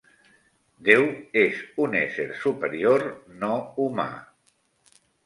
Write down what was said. Déu és un ésser superior, no humà.